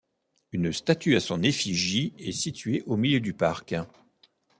Une statue à son effigie est située au milieu du parc.